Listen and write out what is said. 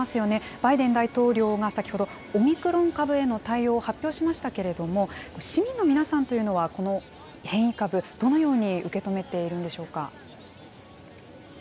バイデン大統領が先ほど、オミクロン株への対応を発表しましたけれども、市民の皆さんというのはこの変異株、どのように受け止めているんでしょうか。